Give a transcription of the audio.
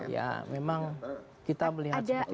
ya memang kita melihat